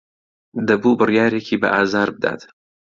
دەبوو بڕیارێکی بەئازار بدات.